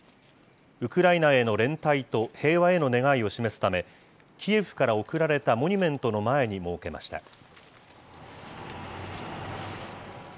ウクライナへの連帯と平和への願いを示すため、キエフから贈られたモニュメントの前に設けました。